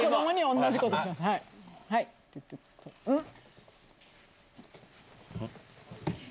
うん？